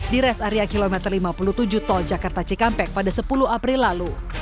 di res area kilometer lima puluh tujuh tol jakarta cikampek pada sepuluh april lalu